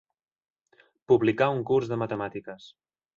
Publicar un curs de matemàtiques.